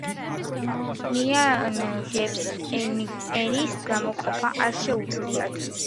ნიანგებს ენის გამოყოფა არ შეუძლიათ!